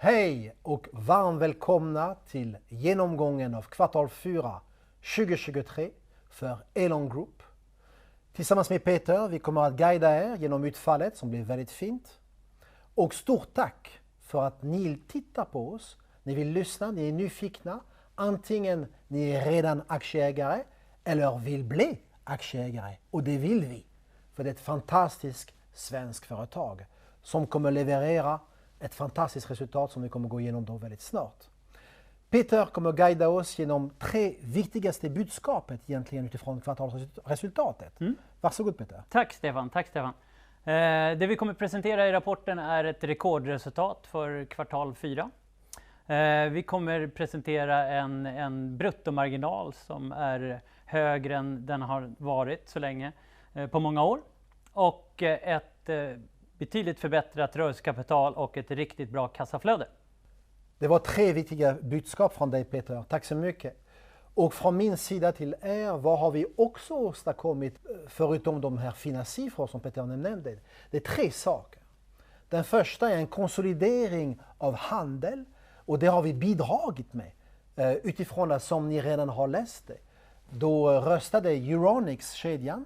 Hej och varmt välkomna till genomgången av kvartal 4 2023 för Elon Group. Tillsammans med Peter kommer vi att guida genom utfallet som blev väldigt fint. Stort tack för att ni vill titta på oss, ni vill lyssna, ni är nyfikna, antingen ni är redan aktieägare eller vill bli aktieägare. Det vill vi, för det är ett fantastiskt svenskt företag som kommer att leverera ett fantastiskt resultat som vi kommer att gå igenom väldigt snart. Peter kommer att guida oss genom tre viktigaste budskapen egentligen utifrån kvartalsresultatet. Varsågod, Peter. Tack, Stefan. Det vi kommer att presentera i rapporten är ett rekordresultat för kvartal 4. Vi kommer att presentera en bruttomarginal som är högre än den har varit på många år och ett betydligt förbättrat rörelsekapital och ett riktigt bra kassaflöde. Det var tre viktiga budskap från dig, Peter. Tack så mycket. Från min sida till vad har vi också åstadkommit förutom de här fina siffrorna som Peter nämnde? Det är tre saker. Den första är en konsolidering av handel, och det har vi bidragit med utifrån att som ni redan har läst det, då röstade Euronics-kedjan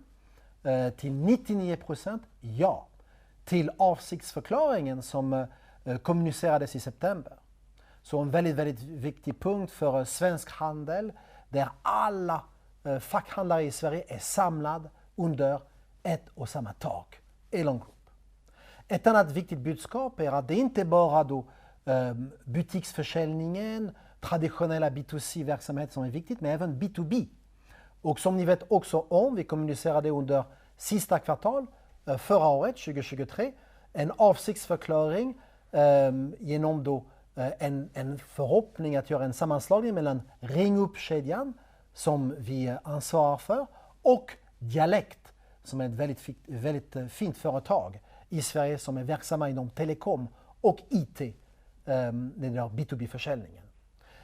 till 99% till avsiktsförklaringen som kommunicerades i september. Så en väldigt viktig punkt för svensk handel där alla fackhandlare i Sverige är samlade under ett och samma tak, Elon Group. Ett annat viktigt budskap är att det inte bara är butiksförsäljningen, traditionella B2C-verksamheten som är viktig, utan även B2B. Och som ni vet också om, vi kommunicerade under sista kvartalet förra året 2023 en avsiktsförklaring genom en förhoppning att göra en sammanslagning mellan Ringup-kedjan som vi ansvarar för och Dialekt, som är ett väldigt fint företag i Sverige som är verksamma inom telekom och IT, när det gäller B2B-försäljningen.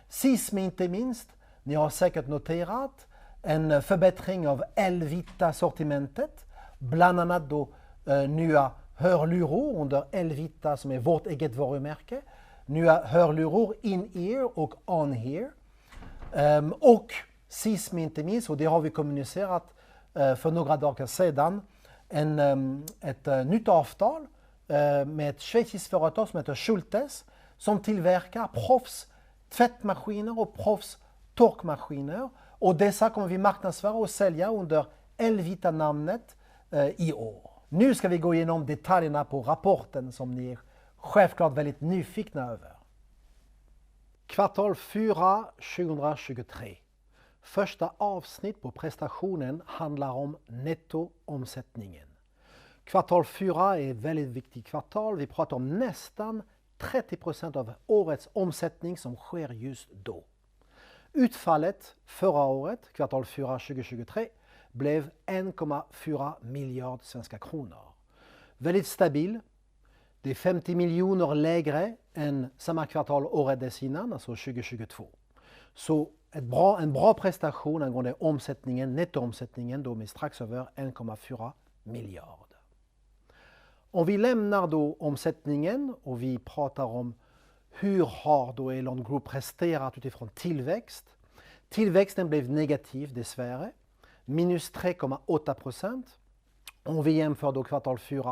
Sist men inte minst, ni har säkert noterat en förbättring av Elvita-sortimentet, bland annat då nya hörlurar under Elvita som är vårt eget varumärke, nya hörlurar In-Ear och On-Ear. Sist men inte minst, och det har vi kommunicerat för några dagar sedan, ett nytt avtal med ett schweiziskt företag som heter Schultes som tillverkar professionella tvättmaskiner och professionella torkmaskiner. Dessa kommer vi att marknadsföra och sälja under Elvita-namnet i år. Nu ska vi gå igenom detaljerna på rapporten som ni självklart är väldigt nyfikna över. Kvartal 4 2023. Första avsnittet på presentationen handlar om nettoomsättningen. Kvartal 4 är ett väldigt viktigt kvartal. Vi pratar om nästan 30% av årets omsättning som sker just då. Utfallet förra året, kvartal 4 2023, blev 1,4 miljarder svenska kronor. Väldigt stabilt. Det är 50 miljoner lägre än samma kvartal året dessförinnan, alltså 2022. En bra prestation angående nettoomsättningen är strax över 1,4 miljarder. Om vi lämnar då omsättningen och vi pratar om hur har då Elon Group presterat utifrån tillväxt. Tillväxten blev negativ, dessvärre. Minus 3,8%. Om vi jämför då kvartal 4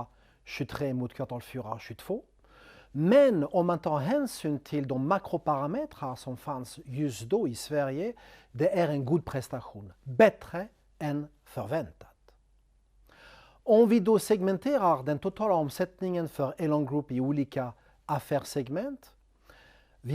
2023 mot kvartal 4 2022. Men om man tar hänsyn till de makroparametrar som fanns just då i Sverige, det är en god prestation. Bättre än förväntat. Om vi då segmenterar den totala omsättningen för Elon Group i olika affärssegment,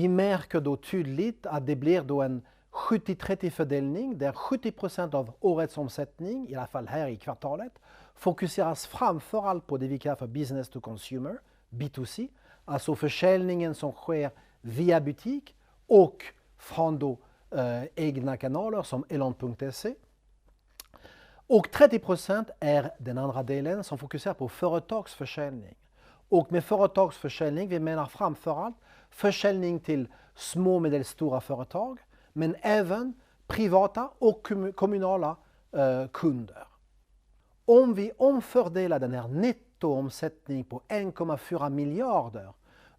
märker vi då tydligt att det blir en 70-30-fördelning där 70% av årets omsättning, i alla fall här i kvartalet, fokuseras framför allt på det vi kallar för business to consumer, B2C, alltså försäljningen som sker via butik och från egna kanaler som elon.se. 30% är den andra delen som fokuserar på företagsförsäljning. Med företagsförsäljning menar vi framför allt försäljning till små och medelstora företag, men även privata och kommunala kunder. Om vi omfördelar den här nettoomsättningen på 1,4 miljarder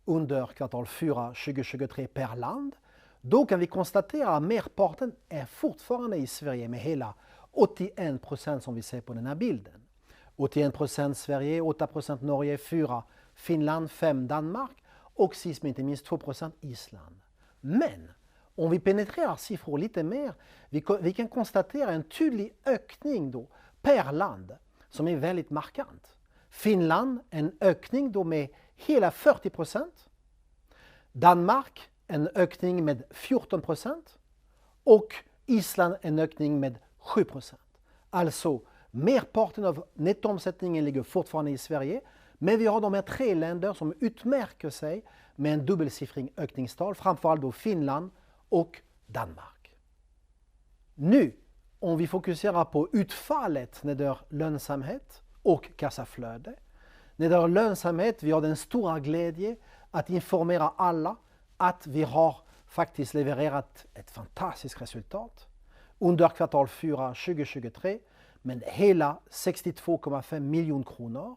under kvartal 4 2023 per land, då kan vi konstatera att merparten fortfarande är i Sverige med hela 81% som vi ser på den här bilden. 81% Sverige, 8% Norge, 4% Finland, 5% Danmark och sist men inte minst 2% Island. Men om vi penetrerar siffrorna lite mer, vi kan konstatera en tydlig ökning då per land som är väldigt markant. Finland är en ökning då med hela 40%. Danmark är en ökning med 14%. Och Island är en ökning med 7%. Alltså, merparten av nettoomsättningen ligger fortfarande i Sverige, men vi har de här tre länderna som utmärker sig med en dubbelsiffrig ökningstal, framför allt då Finland och Danmark. Nu, om vi fokuserar på utfallet när det gäller lönsamhet och kassaflöde. När det gäller lönsamhet har vi den stora glädjen att informera alla att vi har faktiskt levererat ett fantastiskt resultat under kvartal 4 2023 med hela 62,5 miljoner kronor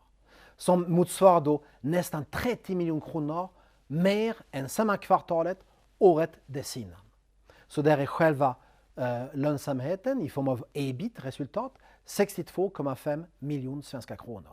som motsvarar då nästan 30 miljoner kronor mer än samma kvartal året dessförinnan. Så det är själva lönsamheten i form av EBIT-resultat, 62,5 miljoner svenska kronor.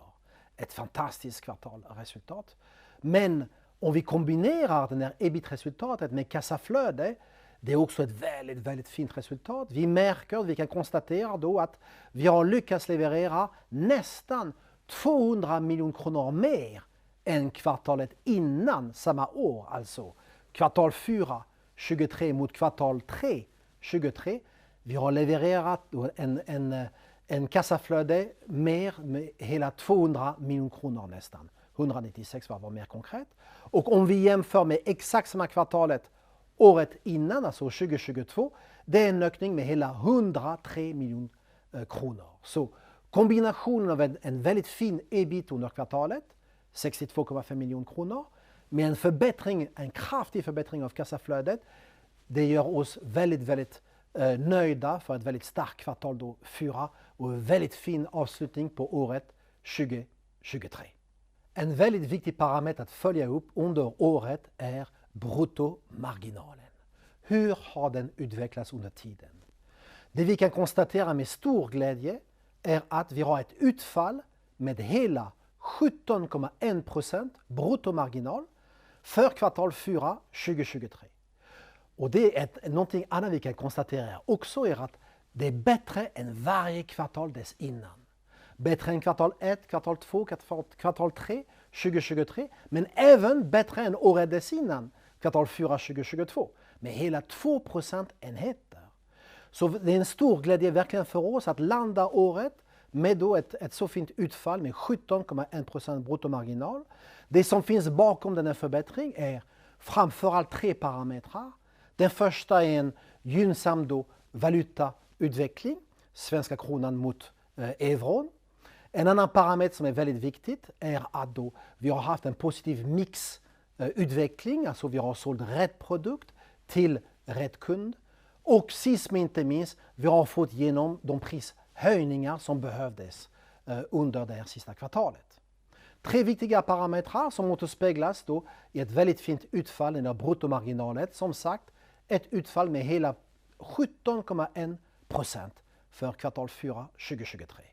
Ett fantastiskt kvartalresultat. Men om vi kombinerar det här EBIT-resultatet med kassaflöde, det är också ett väldigt fint resultat. Vi märker och vi kan konstatera då att vi har lyckats leverera nästan 200 miljoner kronor mer än kvartalet innan, samma år alltså. Kvartal 4 2023 mot kvartal 3 2023, vi har levererat ett kassaflöde mer med hela 200 miljoner kronor nästan. 196 för att vara mer konkret. Och om vi jämför med exakt samma kvartal året innan, alltså 2022, det är en ökning med hela 103 miljoner kronor. Så kombinationen av en väldigt fin EBIT under kvartalet, 62,5 miljoner kronor, med en kraftig förbättring av kassaflödet, det gör oss väldigt nöjda för ett väldigt starkt kvartal då 4 och en väldigt fin avslutning på året 2023. En väldigt viktig parameter att följa upp under året är bruttomarginalen. Hur har den utvecklats under tiden? Det vi kan konstatera med stor glädje är att vi har ett utfall med hela 17,1% bruttomarginal för kvartal 4 2023. Något annat vi kan konstatera också är att det är bättre än varje kvartal dessförinnan. Bättre än kvartal 1, kvartal 2, kvartal 3 2023, men även bättre än året dessförinnan, kvartal 4 2022, med hela 2 procentenheter. Det är en stor glädje verkligen för oss att landa året med då ett så fint utfall med 17,1% bruttomarginal. Det som finns bakom den här förbättringen är framför allt tre parametrar. Den första är en gynnsam valutautveckling, svenska kronan mot euron. En annan parameter som är väldigt viktig är att vi har haft en positiv mixutveckling, alltså vi har sålt rätt produkt till rätt kund. Sist men inte minst, vi har fått igenom de prishöjningar som behövdes under det här sista kvartalet. Tre viktiga parametrar som återspeglas i ett väldigt fint utfall när det gäller bruttomarginalet, som sagt, ett utfall med hela 17,1% för kvartal 4 2023.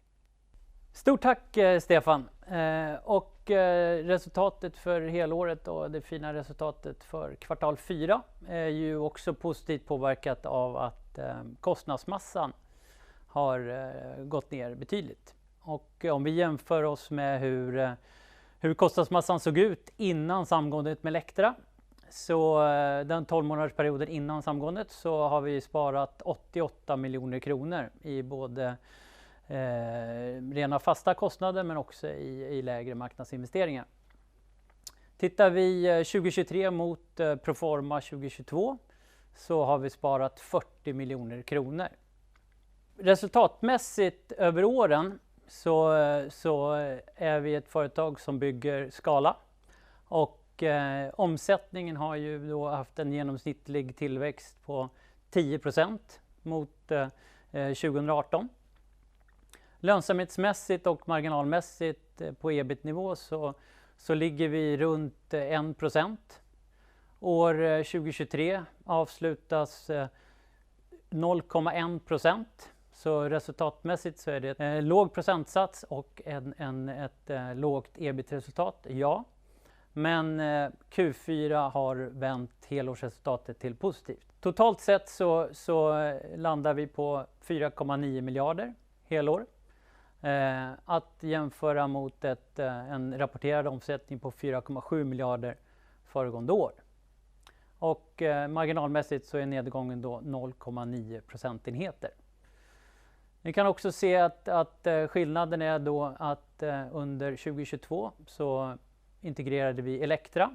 Stort tack, Stefan. Resultatet för helåret och det fina resultatet för kvartal 4 är också positivt påverkat av att kostnadsmassan har gått ner betydligt. Om vi jämför oss med hur kostnadsmassan såg ut innan samgången med Electra, så den tolvmånadersperioden innan samgången så har vi sparat 88 miljoner kronor i både rena fasta kostnader men också i lägre marknadsinvesteringar. Tittar vi 2023 mot Proforma 2022 så har vi sparat 40 miljoner kronor. Resultatmässigt över åren så är vi ett företag som bygger skala och omsättningen har haft en genomsnittlig tillväxt på 10% mot 2018. Lönsamhetsmässigt och marginalmässigt på EBIT-nivå så ligger vi runt 1%. År 2023 avslutas 0,1%. Resultatmässigt så är det en låg procentsats och ett lågt EBIT-resultat. Men Q4 har vänt helårsresultatet till positivt. Totalt sett så landar vi på 4,9 miljarder helår att jämföra mot en rapporterad omsättning på 4,7 miljarder föregående år. Marginalmässigt så är nedgången då 0,9 procentenheter. Vi kan också se att skillnaden är då att under 2022 så integrerade vi Electra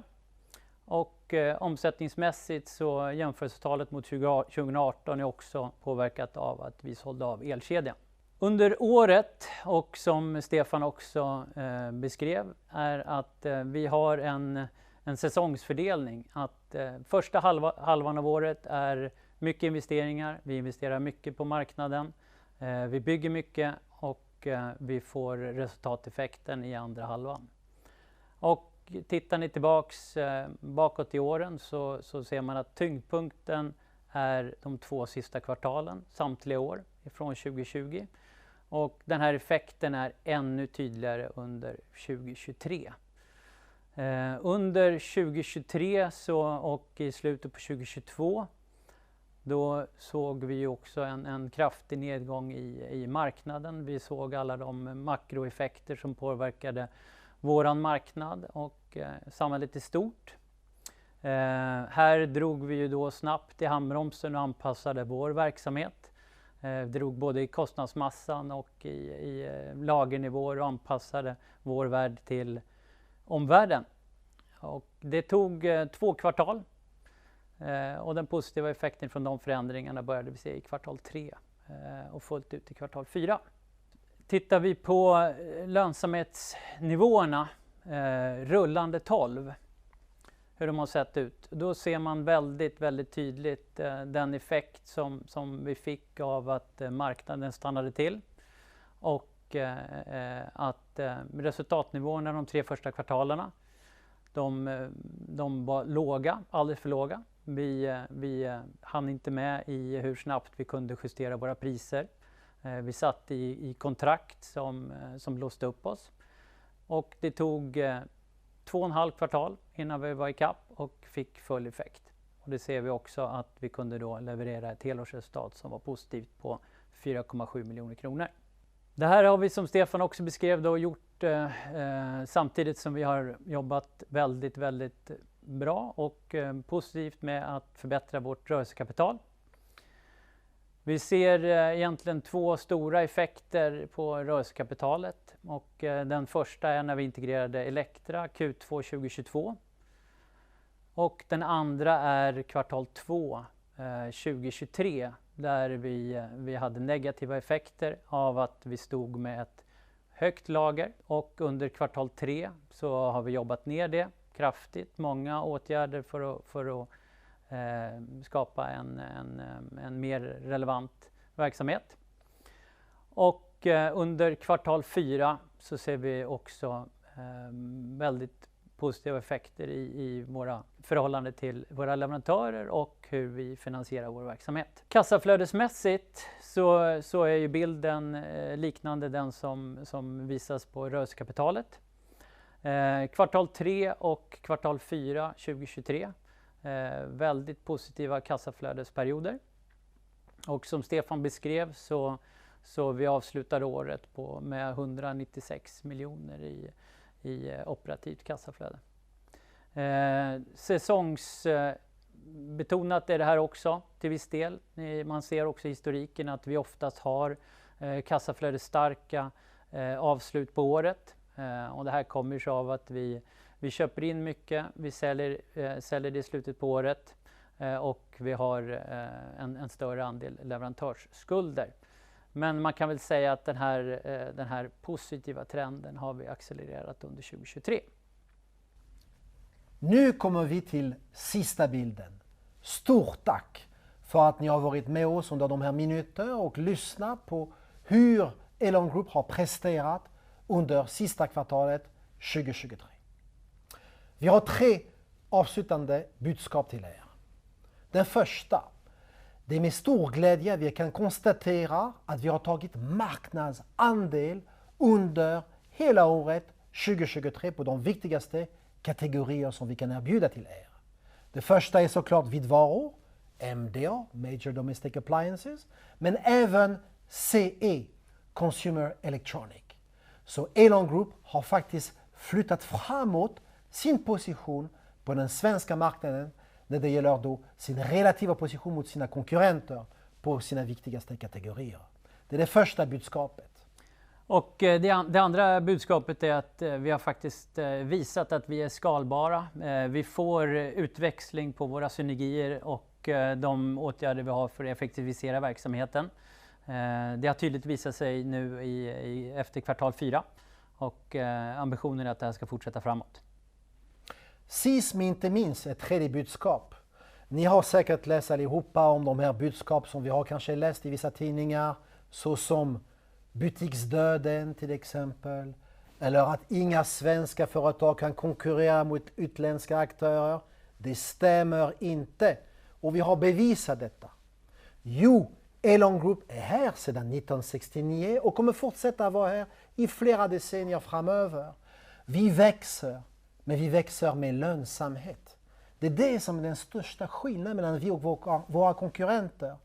och omsättningsmässigt så jämförelsetalet mot 2018 är också påverkat av att vi sålde av elkedjan. Under året, och som Stefan också beskrev, är att vi har en säsongsfördelning. Första halvan av året är mycket investeringar, vi investerar mycket på marknaden, vi bygger mycket och vi får resultateffekten i andra halvan. Tittar ni tillbaka bakåt i åren så ser man att tyngdpunkten är de två sista kvartalen samtliga år från 2020. Den här effekten är ännu tydligare under 2023. Under 2023 och i slutet på 2022 då såg vi ju också en kraftig nedgång i marknaden. Vi såg alla de makroeffekter som påverkade vår marknad och samhället i stort. Här drog vi då snabbt i handbromsen och anpassade vår verksamhet. Vi drog både i kostnadsmassan och i lagernivåer och anpassade vår värld till omvärlden. Det tog två kvartal och den positiva effekten från de förändringarna började vi se i kvartal 3 och fullt ut i kvartal 4. Tittar vi på lönsamhetsnivåerna, rullande 12, hur de har sett ut, då ser man väldigt tydligt den effekt som vi fick av att marknaden stannade till och att resultatnivåerna de tre första kvartalerna var låga, alldeles för låga. Vi hann inte med i hur snabbt vi kunde justera våra priser. Vi satt i kontrakt som blåste upp oss. Det tog två och en halv kvartal innan vi var i kapp och fick full effekt. Och det ser vi också att vi kunde då leverera ett helårsresultat som var positivt på 4,7 miljoner kronor. Det här har vi, som Stefan också beskrev, då gjort samtidigt som vi har jobbat väldigt bra och positivt med att förbättra vårt rörelsekapital. Vi ser egentligen två stora effekter på rörelsekapitalet. Den första är när vi integrerade Electra Q2 2022. Den andra är kvartal 2 2023 där vi hade negativa effekter av att vi stod med ett högt lager. Under kvartal 3 så har vi jobbat ner det kraftigt, många åtgärder för att skapa en mer relevant verksamhet. Under kvartal 4 så ser vi också väldigt positiva effekter i våra förhållande till våra leverantörer och hur vi finansierar vår verksamhet. Kassaflödesmässigt så är ju bilden liknande den som visas på rörelsekapitalet. Kvartal 3 och kvartal 4 2023, väldigt positiva kassaflödesperioder. Som Stefan beskrev så avslutade vi året med 196 miljoner i operativt kassaflöde. Säsongsbetonat är det här också till viss del. Man ser också i historiken att vi oftast har kassaflödesstarka avslut på året. Det här kommer av att vi köper in mycket, vi säljer det i slutet på året och vi har en större andel leverantörsskulder. Men man kan väl säga att den här positiva trenden har vi accelererat under 2023. Nu kommer vi till sista bilden. Stort tack för att ni har varit med oss under de här minuterna och lyssnat på hur Elon Group har presterat under sista kvartalet 2023. Vi har tre avslutande budskap till er. Det första, det är med stor glädje vi kan konstatera att vi har tagit marknadsandel under hela året 2023 på de viktigaste kategorierna som vi kan erbjuda till er. Det första är såklart vita varor, MDA, Major Domestic Appliances, men även CE, Consumer Electronics. Så Elon Group har faktiskt flyttat framåt sin position på den svenska marknaden när det gäller då sin relativa position mot sina konkurrenter på sina viktigaste kategorier. Det är det första budskapet. Det andra budskapet är att vi har faktiskt visat att vi är skalbara. Vi får utväxling på våra synergier och de åtgärder vi har för att effektivisera verksamheten. Det har tydligt visat sig nu i efter kvartal 4 och ambitionen är att det här ska fortsätta framåt. Sist men inte minst, ett tredje budskap. Ni har säkert läst allihopa om de här budskapen som vi har kanske läst i vissa tidningar, såsom butiksdöden till exempel, eller att inga svenska företag kan konkurrera mot utländska aktörer. Det stämmer inte och vi har bevisat detta. Jo, Elon Group är här sedan 1969 och kommer fortsätta att vara här i flera decennier framöver. Vi växer, men vi växer med lönsamhet. Det är det som är den största skillnaden mellan vi och våra konkurrenter.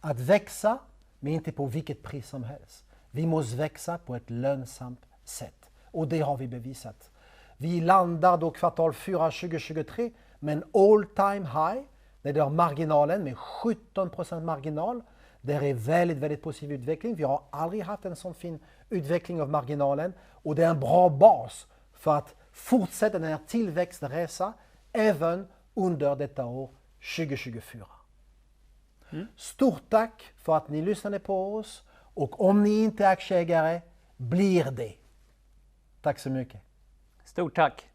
Att växa, men inte på vilket pris som helst. Vi måste växa på ett lönsamt sätt och det har vi bevisat. Vi landar då kvartal 4 2023 med en all-time high, det är marginalen med 17% marginal. Det är en väldigt, väldigt positiv utveckling. Vi har aldrig haft en så fin utveckling av marginalen och det är en bra bas för att fortsätta den här tillväxtresen även under detta år 2024. Stort tack för att ni lyssnade på oss och om ni inte är aktieägare, bli det. Tack så mycket. Stort tack.